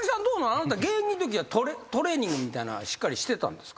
あなた現役のときはトレーニングみたいなんしっかりしてたんですか？